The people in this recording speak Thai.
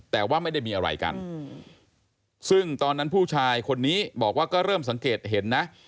แต่ว่าไม่ได้มีอะไรกันซึ่งตอนนั้นผู้ชายคนนี้บอกว่าก็เริ่มสังเกตเห็นนะ